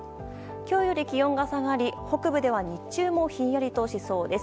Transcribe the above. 今日より気温が下がり、北部では日中もひんやりとしそうです。